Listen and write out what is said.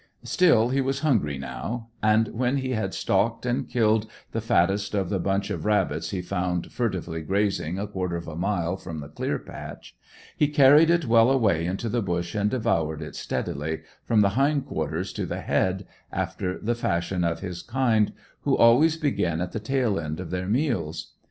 Still, he was hungry now, and when he had stalked and killed the fattest of the bunch of rabbits he found furtively grazing a quarter of a mile from the clear patch, he carried it well away into the bush and devoured it steadily, from the hind quarters to the head, after the fashion of his kind, who always begin at the tail end of their meals.